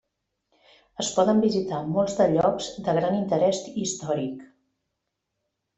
Es poden visitar molts de llocs de gran interès històric.